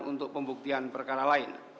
untuk pembuktian perkara lain